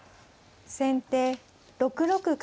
先手６六角。